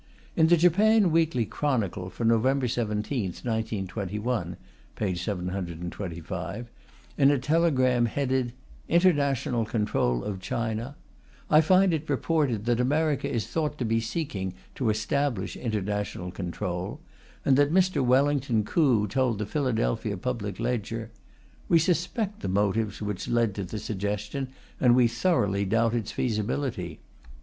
In the Japan Weekly Chronicle for November 17, 1921 (p. 725), in a telegram headed "International Control of China," I find it reported that America is thought to be seeking to establish international control, and that Mr. Wellington Koo told the Philadelphia Public Ledger: "We suspect the motives which led to the suggestion and we thoroughly doubt its feasibility.